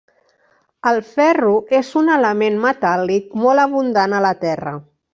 El ferro és un element metàl·lic molt abundant a la Terra.